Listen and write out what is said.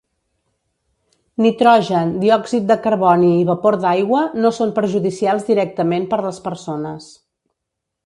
Nitrogen, diòxid de carboni i vapor d'aigua no són perjudicials directament per les persones.